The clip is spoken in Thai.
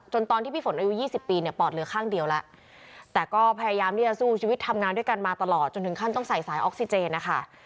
ตอนที่พี่ฝนอายุ๒๐ปีเนี่ยปอดเหลือข้างเดียวแล้วแต่ก็พยายามที่จะสู้ชีวิตทำงานด้วยกันมาตลอดจนถึงขั้นต้องใส่สายออกซิเจนนะคะ